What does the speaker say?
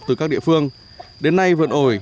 từ các địa phương đến nay vườn ổi